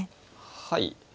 はい。